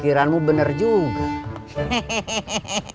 kediranmu benar juga